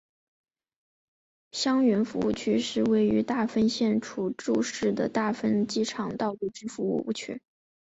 相原服务区是位于大分县杵筑市的大分机场道路之服务区。